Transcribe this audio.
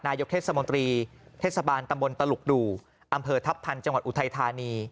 นายกเทศมนตรีเทศบาลตำบลตลุกดูอำเภอทัพพันธ์จังหวัดอุทัยธานี